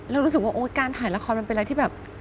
แล้วรู้สึกว่าโอ๊ยการถ่ายละครมันเป็นอะไรที่แบบ